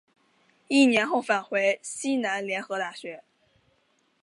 一年后返回西南联合大学。